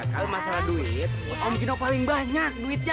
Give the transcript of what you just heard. kalau masalah duit om gino paling banyak duitnya